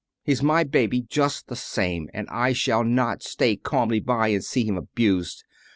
He's my baby just the same, and I shall not stay calmly by and see him abused!